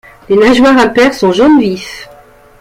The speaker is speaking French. Les nageoires impaires sont jaune-vif.